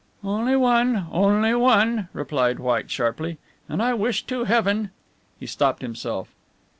"Only one, only one," replied White sharply, "and I wish to Heaven " He stopped himself.